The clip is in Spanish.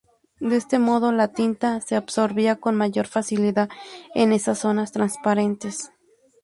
De este modo la tinta se absorbía con mayor facilidad en esas zonas transparentes.